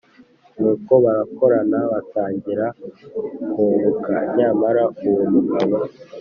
Nuko barakorana batangira kunguka. Nyamara uwo mugabo